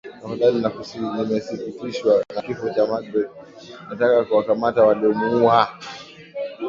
Tafadhali nakusihi nimesikitishwa na kifo cha Magreth nataka kuwakamata waliomuua